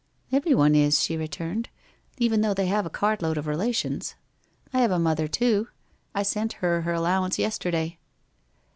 ' Everyone is,' she returned. ' Even though they have a cartload of relations. I have a mother, too. I sent her her allowance yesterday.'